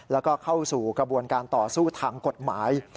แล้วก็เข้าสู่กระบวนการต่อสู้ทางกฎหมาย